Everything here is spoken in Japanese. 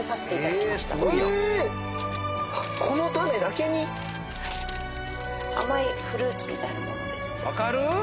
このためだけに？甘いフルーツみたいなものですわかる？